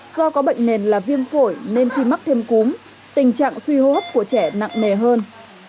do có bệnh nền là viêm phổi nên khi mắc thêm cúm tình trạng suy hô hấp của trẻ nặng nề hơn